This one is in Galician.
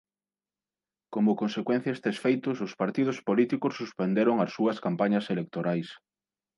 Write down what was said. Como consecuencia a estes feitos os partidos políticos suspenderon as súas campañas electorais.